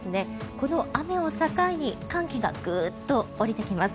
この雨を境に寒気がグッと下りてきます。